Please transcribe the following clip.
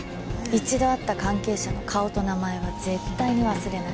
１度会った関係者の顔と名前は絶対に忘れない。